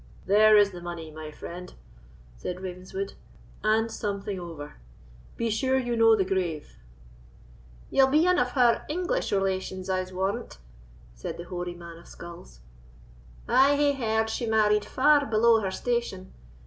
"There is the money, my friend," said Ravenswood, "and something over. Be sure you know the grave." "Ye'll be ane o' her English relations, I'se warrant," said the hoary man of skulls; "I hae heard she married far below her station.